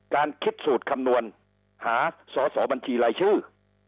การคิดสูตรคำนวณหาสอสอบัญชีรายชื่อ